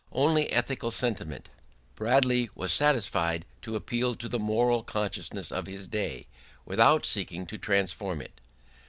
Only ethical sentiment. Bradley was satisfied to appeal to the moral consciousness of his day, without seeking to transform it.